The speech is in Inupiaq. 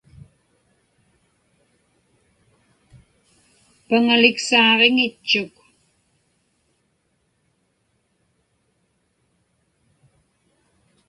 Paŋaliksaaġiŋitchuk.